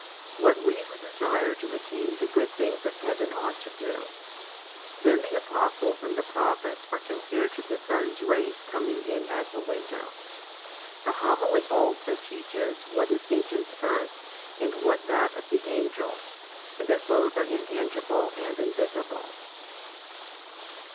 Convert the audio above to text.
What we who desire to attain the good things of heaven ought to do. Then the apostles and the prophets are compared to the sun's rays coming in at a window. The Homily also teaches what is Satan's " Earth," and what that of the angels, and that both are intangible and invisible.